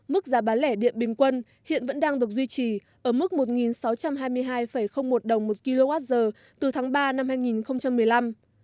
mức giá bán lẻ điện bình quân hiện vẫn đang được duy trì ở mức một sáu trăm hai mươi hai một đồng một kwh từ tháng ba năm hai nghìn một mươi năm